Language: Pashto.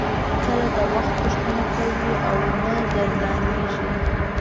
کله د وخت پوښتنه کوي او نه ګردانیږي.